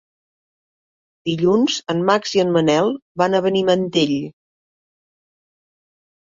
Dilluns en Max i en Manel van a Benimantell.